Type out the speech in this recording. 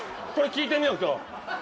これ聞いてみよう今日。